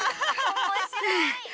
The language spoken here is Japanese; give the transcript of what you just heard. おもしろい！